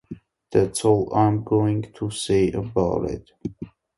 That's all I'm going to say about it.